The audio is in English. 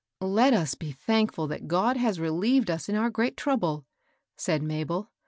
Let us be thankfiil that God has relieved us in our great trouble," said Mabel.